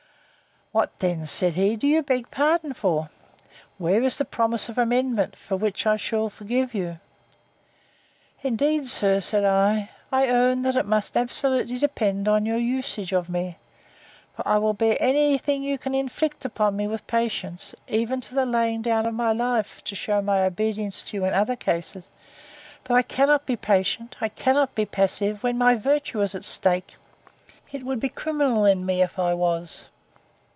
What, then, said he, do you beg pardon for? Where is the promise of amendment, for which I should forgive you? Indeed, sir, said I, I own that must absolutely depend on your usage of me: for I will bear any thing you can inflict upon me with patience, even to the laying down of my life, to shew my obedience to you in other cases; but I cannot be patient, I cannot be passive, when my virtue is at stake! It would be criminal in me, if I was.